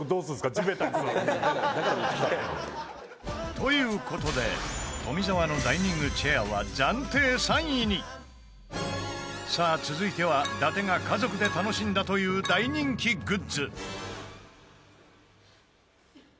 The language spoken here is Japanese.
地べたに座る？という事で富澤のダイニングチェアは暫定３位にさあ、続いては伊達が家族で楽しんだという大人気グッズ